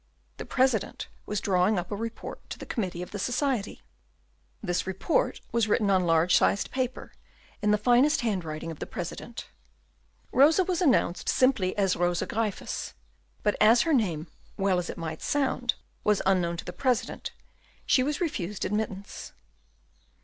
The President was drawing up a report to the committee of the society. This report was written on large sized paper, in the finest handwriting of the President. Rosa was announced simply as Rosa Gryphus; but as her name, well as it might sound, was unknown to the President, she was refused admittance.